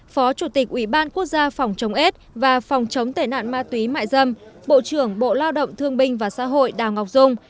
phó chủ tịch ủy ban quốc gia phòng chống aids và phòng chống tệ nạn ma túy mại dâm bộ trưởng bộ lao động thương binh và xã hội đào ngọc dung